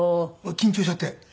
緊張しちゃって。